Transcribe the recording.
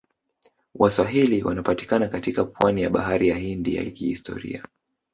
Waswahili wanapatikana katika pwani ya bahari ya Hindi ya kihistoria